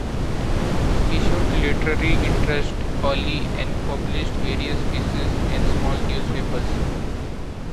He showed literary interest early and published various pieces in small newspapers.